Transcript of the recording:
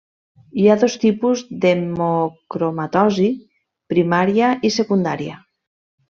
Hi ha dos tipus d'hemocromatosi: primària i secundària.